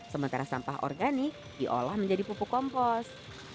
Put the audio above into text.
sementara sampah organik diolah menjadi pupuk kompos